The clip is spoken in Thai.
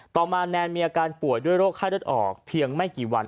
ต่อมาแนนมีอาการป่วยด้วยโรคไข้เลือดออกเพียงไม่กี่วัน